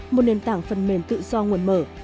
một nền tảng phần mềm tự do nguồn mở